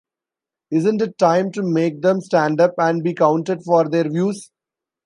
Isn't it time to make them stand up and be counted for their views?